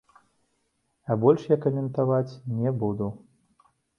А больш я каментаваць не буду.